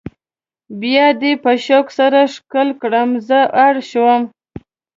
بیا دې په شوق سره ښکل کړم زه اړ شوم.